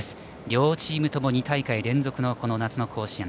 両チームとも２大会連続の夏の甲子園。